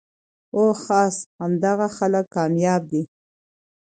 او خاص همدغه خلک کامياب دي